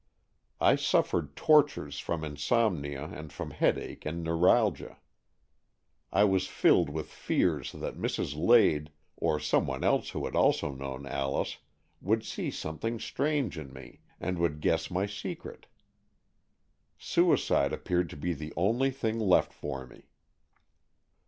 I suffered tortures from insomnia and from headache and neuralgia. I was filled with fears that Mrs. Lade, or some one else who had known Alice, would see something strange in me, and would guess my secret. Suicide appeared to be the only thing left for me.